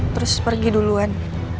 terus pergi duluan